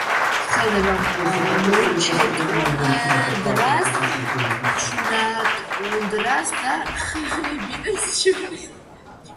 ვრცელდება მონჩეტუნდრას, ჩუნატუნდრასა და ხიბინებს შორის.